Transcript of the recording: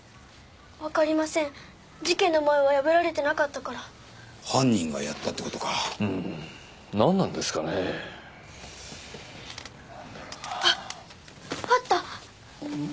分かりません事件の前は破られてなかったから犯人がやったってことかうーん何なんですかねぇ何だろうなあっあった！